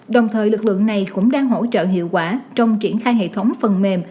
đồng thời lực lượng này cũng đang hỗ trợ hiệu quả trong triển khai hệ thống phần mềm